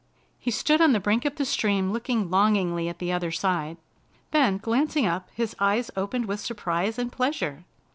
He stood on the brink of the stream looking longingly at the other side. Then, glancing up, his eyes opened with surprise and pleasure.